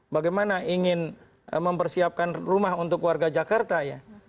bagaimana ingin mempersiapkan rumah untuk warga jakarta ya